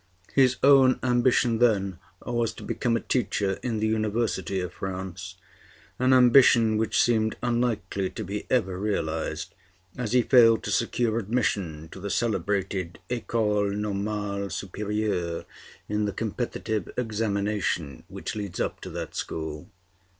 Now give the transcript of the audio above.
His own ambition then was to become a teacher in the University of France, an ambition which seemed unlikely to be ever realized, as he failed to secure admission to the celebrated École Normale Supérieure, in the competitive examination which leads up to that school.